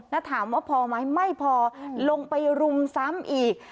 แล้วถามว่าพอไหมไม่พอลงไปรุมซ้ำอีก